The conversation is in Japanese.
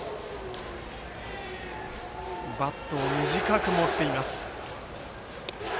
バットを短く持っています。